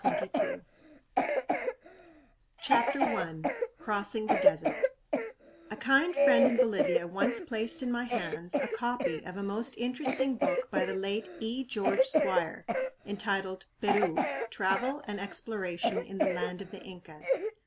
INCA LAND CHAPTER I Crossing the Desert A kind friend in Bolivia once placed in my hands a copy of a most interesting book by the late E. George Squier, entitled "Peru. Travel and Exploration in the Land of the Incas."